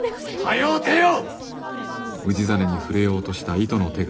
早う出よ！